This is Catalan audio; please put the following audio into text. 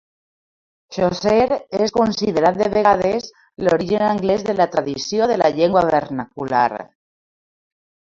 Chaucer és considerat de vegades, l'origen anglès de la tradició de la llengua vernacular.